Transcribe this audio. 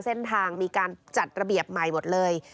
เส้นทางมีการจัดระเบียบใหม่หมดเลย